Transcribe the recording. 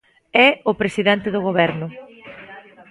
É o presidente do Goberno.